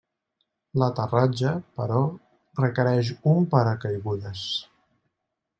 L'aterratge, però, requereix un paracaigudes.